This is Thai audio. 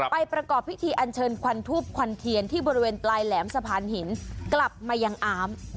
ประกอบพิธีอันเชิญควันทูปควันเทียนที่บริเวณปลายแหลมสะพานหินกลับมายังอาม